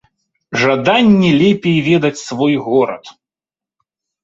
Жаданне лепей ведаць свой горад!